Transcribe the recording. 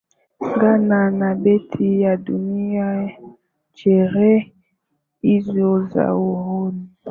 ngana na benki ya dunia sherehe hizo za uhuru